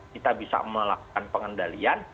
kita bisa melakukan pengendalian